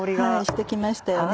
してきましたよね。